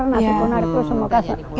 nasi punar itu semua